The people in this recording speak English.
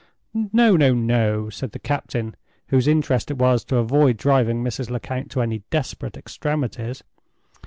"No, no, no!" said the captain, whose interest it was to avoid driving Mrs. Lecount to any desperate extremities.